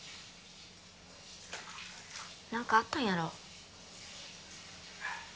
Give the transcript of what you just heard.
何かあったんやろ？